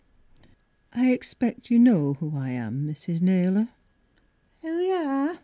I expect you know who I am, Mrs Naylor!